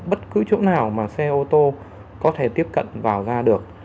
bất cứ chỗ nào mà xe ô tô có thể tiếp cận vào ra được